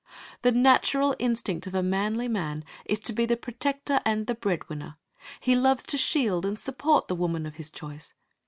The natural instinct of a manly man is to be the protector and the breadwinner. He loves to shield and support the woman of his choice.